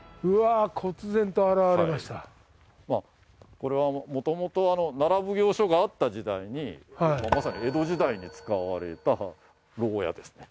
これはもともと奈良奉行所があった時代にまさに江戸時代に使われた牢屋です。